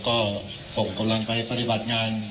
คุณผู้ชมไปฟังผู้ว่ารัฐกาลจังหวัดเชียงรายแถลงตอนนี้ค่ะ